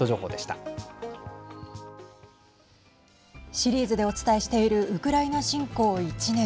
シリーズでお伝えしているウクライナ侵攻１年。